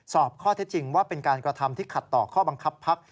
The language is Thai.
สอบข้อเท็จจริงว่าเป็นการกระทำที่ขัดต่อข้อบังคับพัก